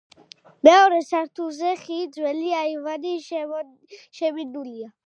მეორე სართულზე ხი ძველი აივანი შემინულია.